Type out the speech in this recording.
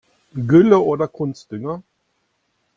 Gülle oder Kunstdünger?